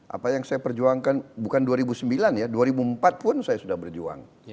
apa yang saya perjuangkan bukan dua ribu sembilan ya dua ribu empat pun saya sudah berjuang